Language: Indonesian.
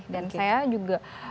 dan saya juga